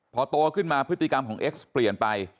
พอโตขึ้นมาพฤติกรรมของเอ็กซ์เปลี่ยนไป